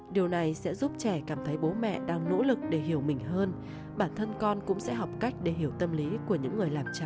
điều này sẽ giúp trẻ cảm thấy bố mẹ đang nỗ lực để hiểu mình hơn bản thân con cũng sẽ học cách để hiểu tâm lý của những người làm cha mẹ